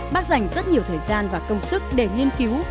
bác dành rất nhiều thời gian và công sức để nghiên cứu